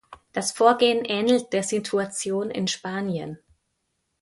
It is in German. Das Vorgehen ähnelt der Situation in Spanien.